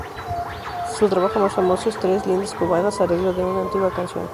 Su trabajo más famoso es "Tres lindas cubanas", arreglo de una antigua canción.